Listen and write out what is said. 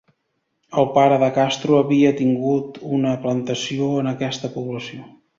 El pare de Castro havia tingut una plantació en aquesta població.